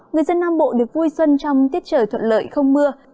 người dân nam bộ được vui xuân trong tiết trời thuận lợi không mưa